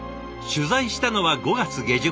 取材したのは５月下旬。